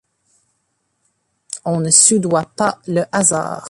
On ne soudoie pas le hasard.